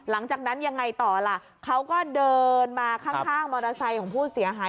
หลังจากนั้นยังไงต่อล่ะเขาก็เดินมาข้างมอเตอร์ไซค์ของผู้เสียหาย